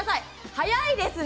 早いですね！